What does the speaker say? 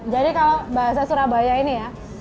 jadi kalau bahasa surabaya ini ya